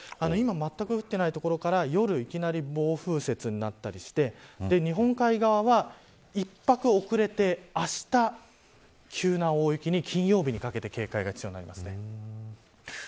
今まったく降っていない所から夜いきなり暴風雪になったりして日本海側は１拍遅れてあした急な大雪に金曜日にかけて警戒が強まります。